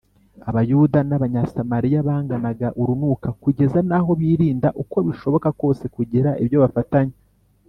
Abayuda n’Abanyasamariya banganaga urunuka, kugeza n’aho birinda uko bishoboka kose kugira ibyo bafatanya